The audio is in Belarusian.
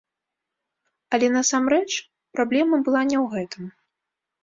Але насамрэч праблема была не ў гэтым.